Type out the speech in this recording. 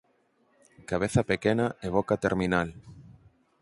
Cabeza pequena e boca terminal.